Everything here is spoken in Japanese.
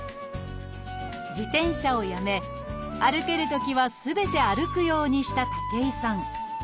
自転車をやめ歩けるときはすべて歩くようにした武井さん。